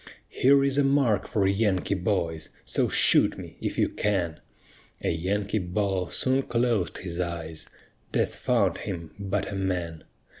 "Here is a mark for Yankee boys, So shoot me if you can:" A Yankee ball soon closed his eyes, Death found him but a man.